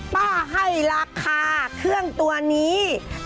ให้ราคาเครื่องตัวนี้